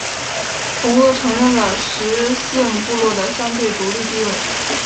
同俄承认了十姓部落的相对独立地位。